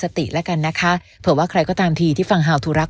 สติแล้วกันนะคะเผื่อว่าใครก็ตามทีที่ฟังฮาวทูรัก